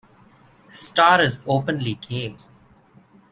Star is openly gay.